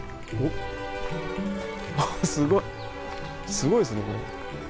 すごいですねこれ。